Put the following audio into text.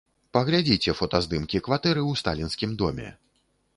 Паглядзіце фотаздымкі кватэры ў сталінскім доме.